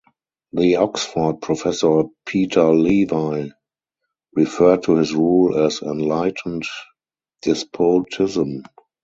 The Oxford-professor Peter Levi referred to his rule as "enlightened despotism".